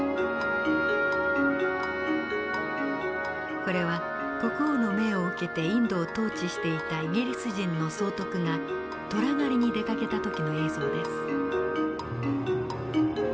これは国王の命を受けてインドを統治していたイギリス人の総督が虎狩りに出かけた時の映像です。